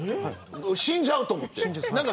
死んじゃうと思って。